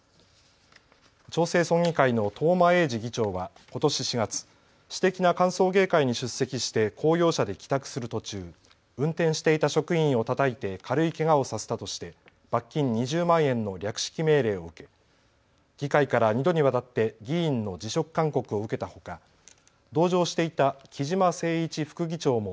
長生村議会の東間永次議長はことし４月、私的な歓送迎会に出席して公用車で帰宅する途中、運転していた職員をたたいて軽いけがをさせたとして罰金２０万円の略式命令を受け、議会から２度にわたって議員の働くオトナの昼ごはんそれがわあ！